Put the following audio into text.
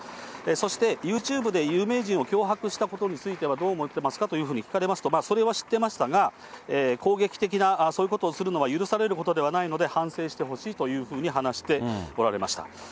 そして、ユーチューブで有名人を脅迫したことについては、どう思ってますかというふうに聞かれますと、それは知ってましたが、攻撃的なそういうことをするのは許されることではないので、反省してほしいというふうに話しておられました。